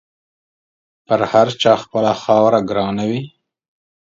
پر هر چا خپله خاوره ګرانه وي.